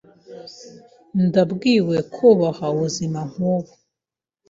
Ndambiwe kubaho ubuzima nk'ubu.